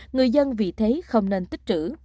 người dân vì thế không nên tích trữ